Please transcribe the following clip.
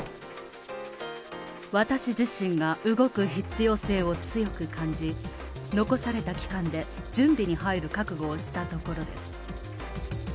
私自身が動く必要性を強く感じ、残された期間で準備に入る覚悟をしたところです。